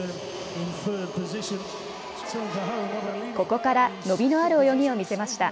ここから伸びのある泳ぎを見せました。